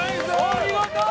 お見事！